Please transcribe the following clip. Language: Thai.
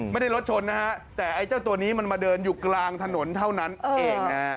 รถชนนะฮะแต่ไอ้เจ้าตัวนี้มันมาเดินอยู่กลางถนนเท่านั้นเองฮะ